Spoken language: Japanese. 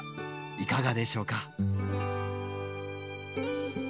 いかがでしょうか？